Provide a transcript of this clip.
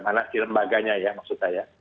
mana sih lembaganya ya maksud saya